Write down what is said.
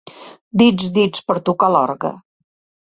Dits, dits, per tocar l'orgue.